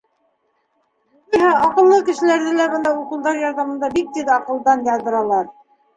Юғиһә, аҡыллы кешеләрҙе лә бында уколдар ярҙамында бик тиҙ аҡылдан яҙҙыралар.